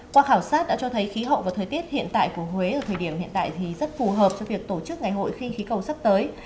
qua khảo sát đã cho thấy khí hậu và thời tiết hiện tại của huế ở thời điểm hiện tại thì rất phù hợp cho việc tổ chức ngày hội khinh khí cầu sắp tới